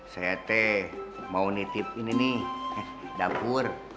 saya teh mau nitip ini nih dapur